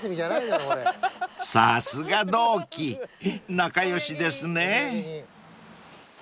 ［さすが同期仲良しですねぇ］